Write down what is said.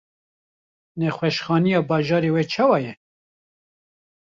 Nexweşxaneya bajarê we çawa ye?